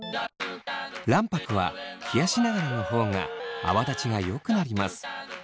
卵白は冷やしながらの方が泡立ちがよくなります。